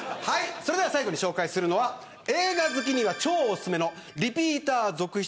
それでは最後に紹介するのは映画好きには超おすすめのリピーター続出